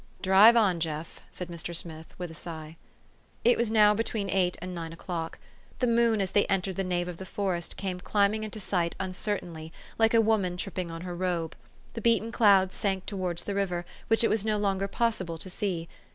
" Drive on, Jeff," said Mr. Smith, with a sigh. It was now between eight and nine o'clock. The moon, as they entered the nave of the forest, came climbing into sight uncertainly, like a woman trip ping on her robe. The beaten clouds sank towards the river, which it was no longer possible to see.